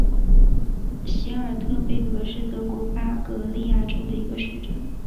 席尔特贝格是德国巴伐利亚州的一个市镇。